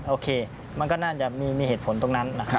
โอเคมันก็น่าจะมีเหตุผลตรงนั้น